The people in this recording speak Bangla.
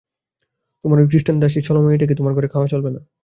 তোমার ঐ খৃস্টান দাসী লছমিয়াটাকে না বিদায় করে দিলে তোমার ঘরে খাওয়া চলবে না।